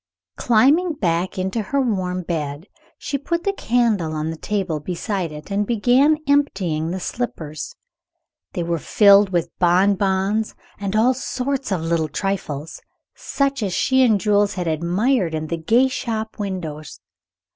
Climbing back into her warm bed, she put the candle on the table beside it, and began emptying the slippers. They were filled with bonbons and all sorts of little trifles, such as she and Jules had admired in the gay shop windows.